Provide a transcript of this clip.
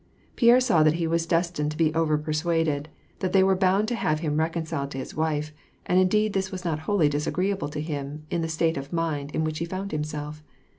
Pierre saw that he was destined to be overpersuaded, that they were bound to have him reconciled to his wife, and indeed this was not wholly disagreeable to him in the state of mind in which he found himself.